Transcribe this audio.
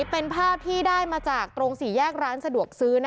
เป็นภาพที่ได้มาจากตรงสี่แยกร้านสะดวกซื้อ